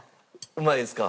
うまいですか？